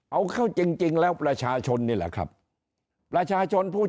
เอาเข้าจริงแล้วประชาชนนี่แหละครับ